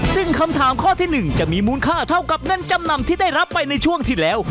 ซึ่งคำถามข้อที่๑จะมีมูลค่าเท่ากับเงินจำนำที่ได้รับไปในช่วงที่แล้ว